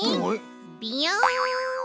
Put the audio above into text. ビヨン！